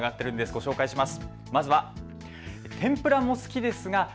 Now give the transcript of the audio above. ご紹介します。